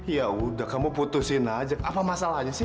ya udah kamu putusin aja apa masalahnya sih